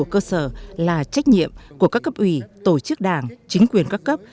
cơ sở là trách nhiệm của các cấp ủy tổ chức đảng chính quyền các cấp